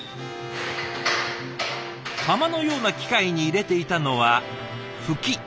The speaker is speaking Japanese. かまのような機械に入れていたのはフキ。